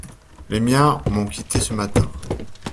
Les miens m'ont quitté ce matin.